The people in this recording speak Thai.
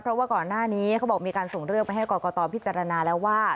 เพราะว่าก่อนหน้านี้เขาบอกมีการส่งเรื่องไปให้กรกตพิจารณาแล้วว่า